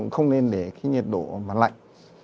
không nên để cái nhiệt độ mà lạnh